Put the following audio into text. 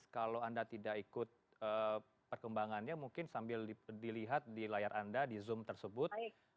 kalau anda tidak ikut perkembangannya mungkin sambil dilihat di layar anda di zoom tersebut